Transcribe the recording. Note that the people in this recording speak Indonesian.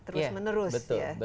terus menerus ya